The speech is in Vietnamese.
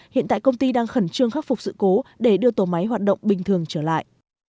hiện tại công ty đang khẩn trương khắc phục sự cố để đưa tổ máy hoạt động bình thường trở lại